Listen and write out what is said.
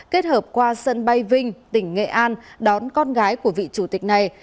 kết hợp qua sân bay vinh tỉnh nghệ an đón con gái của vị chủ tịch này